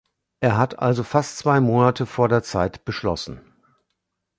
Er hat also fast zwei Monate vor der Zeit beschlossen.